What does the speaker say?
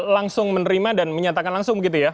langsung menerima dan menyatakan langsung begitu ya